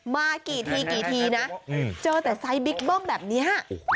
มากี่ทีกี่ทีนะเจอแต่ไซส์บิ๊กเบิ้มแบบนี้